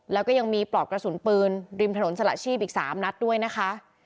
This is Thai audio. แล้วก็ยังมีปลอกกระสุนปืนริมถนนสละชีพอีก๓นัดด้วยนะคะ